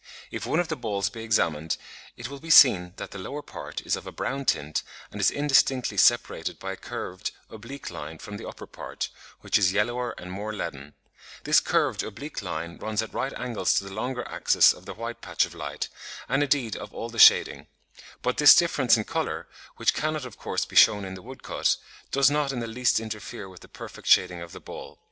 If one of the balls be examined, it will be seen that the lower part is of a brown tint and is indistinctly separated by a curved oblique line from the upper part, which is yellower and more leaden; this curved oblique line runs at right angles to the longer axis of the white patch of light, and indeed of all the shading; but this difference in colour, which cannot of course be shewn in the woodcut, does not in the least interfere with the perfect shading of the ball.